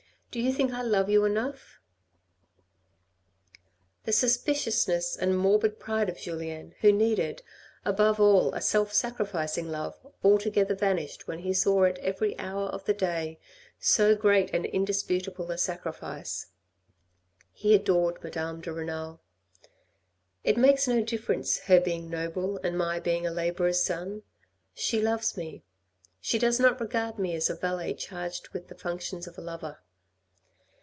Do you think I love you enough ?" The suspiciousness and morbid pride of Julien, who needed, above all, a self sacrificing love, altogether vanished when he saw at every hour of the day so great and indisputable a sacrifice. He adored Madame de Renal. " It makes no difference her being noble, and my being a labourer's son. She loves me .... she does not regard me as a valet charged with the functions of a lovei."